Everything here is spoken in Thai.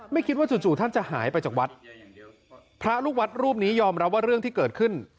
ไม่คิดว่าจู่ท่านจะหายไปจากวัดพระลูกวัดรูปนี้ยอมรับว่าเรื่องที่เกิดขึ้น